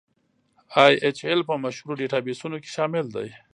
ای ایل ایچ په مشهورو ډیټابیسونو کې شامل دی.